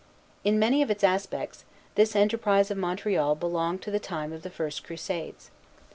In many of its aspects, this enterprise of Montreal belonged to the time of the first Crusades.